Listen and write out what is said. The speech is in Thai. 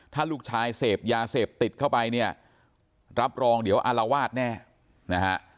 ถ้าลูกชายเสพยาเสพติดเข้าไปเนี่ยรับรองเดี๋ยวอารวาสแน่นะฮะ